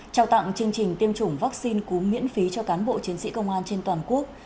trao tặng chương trình tiêm chủng vaccine cúm miễn phí cho cán bộ chiến sĩ công an trên toàn quốc